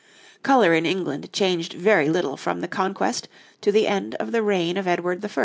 Colour in England changed very little from the Conquest to the end of the reign of Edward I.